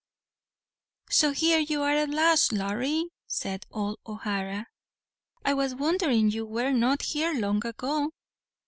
"So here you are at last, Larry," said old O'Hara; "I was wondering you were not here long ago."